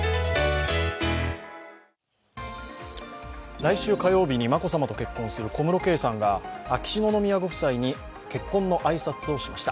来週火曜日に眞子さまと結婚する小室圭さんが秋篠宮ご夫妻に結婚の挨拶をしました。